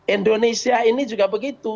indonesia ini juga begitu